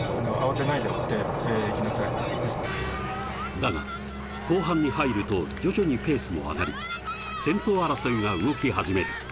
だが、後半に入ると徐々にペースも上がり、先頭争いが動き始める。